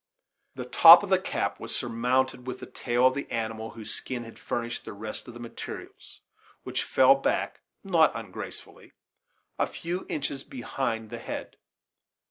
The top of the cap was surmounted with the tail of the animal whose skin had furnished the rest of the materials, which fell back, not ungracefully, a few inches behind the head.